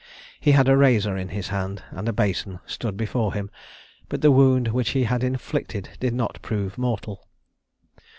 He had a razor in his hand, and a basin stood before him; but the wound which he had inflicted did not prove mortal.